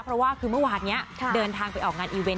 เพราะว่าคือเมื่อวานนี้เดินทางไปออกงานอีเวนต